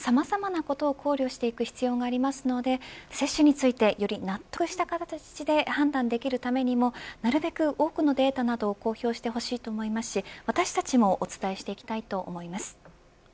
子どもたちの健康状態や基礎疾患の有無などさまざまなことを考慮していく必要がありますので接種についてより納得した形で判断できるためにもなるべく多くのデータなどを公表してほしいと思いますし私たちもお伝えしていきたいと思います。